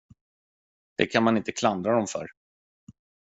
Det kan man inte klandra dem för.